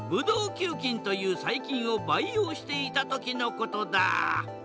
球菌という細菌を培養していた時のことだ。